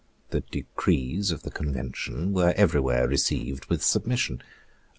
The decrees of the Convention were everywhere received with submission.